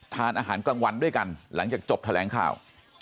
ทานอาหารกลางวันด้วยกันหลังจากจบแถลงข่าว